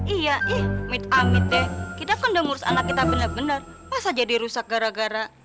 iya ih mit amit deh kita kondong urus anak kita benar benar masa jadi rusak gara gara